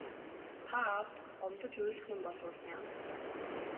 Та аавд гомдож уйлах юм болбол яана.